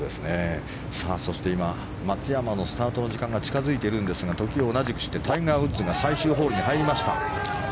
さあ、そして今松山のスタートの時間が近づいているんですが時を同じくしてタイガー・ウッズが最終ホールに入りました。